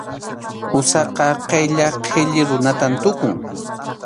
Usaqa qilla qhilli runatam tukun.